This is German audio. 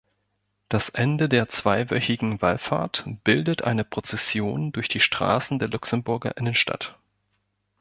Das Ende der zweiwöchigen Wallfahrt bildet eine Prozession durch die Straßen der Luxemburger Innenstadt.